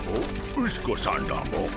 ウシ子さんだモ。